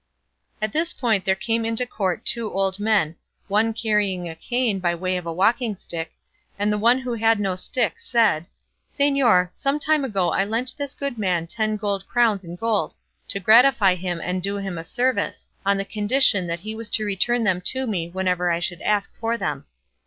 At this instant there came into court two old men, one carrying a cane by way of a walking stick, and the one who had no stick said, "Señor, some time ago I lent this good man ten gold crowns in gold to gratify him and do him a service, on the condition that he was to return them to me whenever I should ask for them.